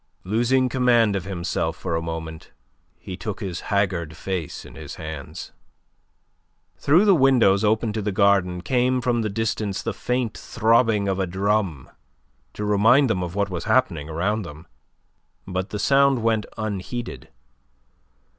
Losing command of himself for a moment, he took his haggard face in his hands. Through the windows open to the garden came from the distance the faint throbbing of a drum to remind them of what was happening around them. But the sound went unheeded.